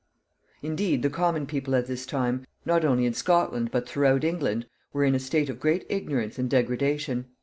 Indeed, the common people at this time, not only in Scotland, but throughout England, were in a state of great ignorance and degradation.